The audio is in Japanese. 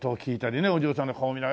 お嬢さんの顔を見ながら。